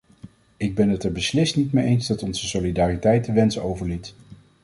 Ik ben het er beslist niet mee eens dat onze solidariteit te wensen overliet.